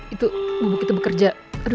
itu begitu bekerja